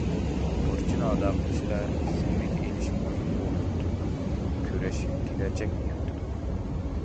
بۇرچنى ئادا قىلىشتا زىممىگە ئېلىش مۇھىم ئورۇندا تۇرىدۇ، كۈرەش كېلەچەكنى يارىتىدۇ.